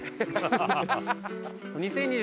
ハハハハ！